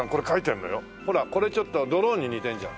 ほらこれちょっとドローンに似てるじゃん。